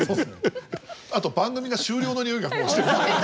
あと番組が終了のにおいがもうしてる。